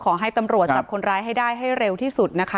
ขอให้ตำรวจจับคนร้ายให้ได้ให้เร็วที่สุดนะคะ